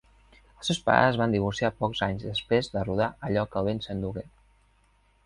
Els seus pares es van divorciar pocs anys després de rodar "Allò que el vent s'endugué".